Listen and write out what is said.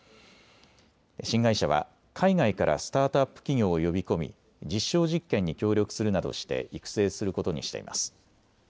新会社は海外からスタートアップ企業を呼び込み実証実験に協力するなどして育成することにしています。